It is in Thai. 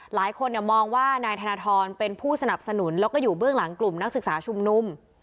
หลายคนมองว่านายธนทรเป็นผู้สนับสนุนแล้วก็อยู่เบื้องหลังกลุ่มนักศึกษาชุมนุม